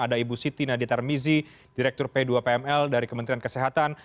ada ibu siti nadia tarmizi direktur p dua pml dari kementerian kesehatan